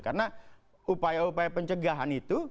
karena upaya upaya pencegahan itu